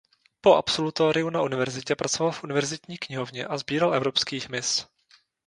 Po absolutoriu na universitě pracoval v univerzitní knihovně a sbíral evropský hmyz.